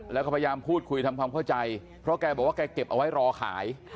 แล้วก็พยายามพูดคุยทำความเข้าใจเพราะแกบอกว่าแกเก็บเอาไว้รอขาย